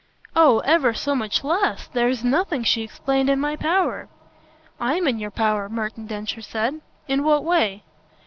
"Oh ever so much less! There's nothing," she explained, "in my power." "I'm in your power," Merton Densher said. "In what way?"